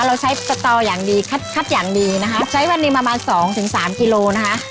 เราใช้สตออย่างดีคัดอย่างดีนะคะใช้วันนี้ประมาณ๒๓กิโลนะคะ